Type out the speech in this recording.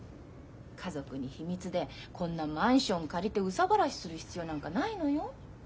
家族に秘密でこんなマンション借りて憂さ晴らしする必要なんかないのよ？